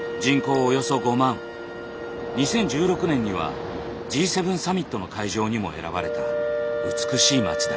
２０１６年にはＧ７サミットの会場にも選ばれた美しい町だ。